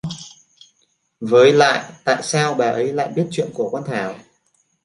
Với lại tại sao bà ấy lại biết chuyện của con thảo